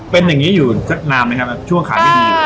เป็นอย่างงี้อยู่นานไหมครับช่วงขายเป็นอย่างงี้อยู่